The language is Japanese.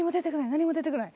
何も出てこない。